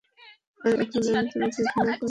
আর এখন আমি তোমাকে ঘৃণা করার শক্তিও হারিয়ে ফেলেছি।